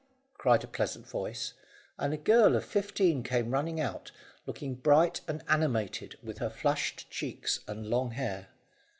cried a pleasant voice, and a girl of fifteen came running out, looking bright and animated with her flushed cheeks and long hair.